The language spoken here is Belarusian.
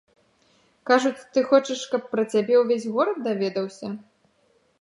Кажуць, ты хочаш, каб пра цябе ўвесь горад даведаўся?